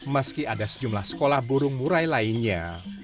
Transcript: meski ada sejumlah sekolah burung murai lainnya